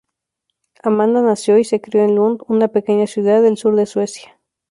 Amanda nació y se crio en Lund, una pequeña ciudad del sur de Suecia.